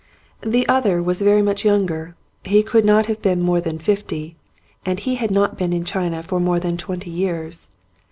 The other was very much younger, he could not have been more than fifty, and he had not been in China for more than twenty years.